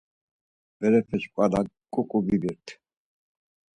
Berepe şǩala ǩuǩu vibirt.